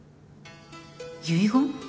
遺言？